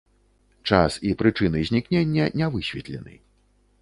Час і прычыны знікнення не высветлены.